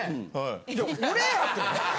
いや俺やって！